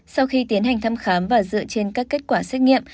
sau khi tiến hành thăm khám và dựa trên các kết quả xét nghiệm